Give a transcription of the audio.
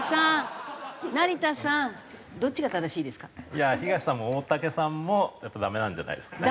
いや東さんも大竹さんもやっぱりダメなんじゃないですかね。